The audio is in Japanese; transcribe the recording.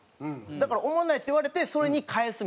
だから「おもんない」って言われてそれに返すみたいな。